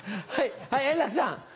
はい円楽さん。